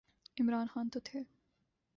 عمران خان تو تھے۔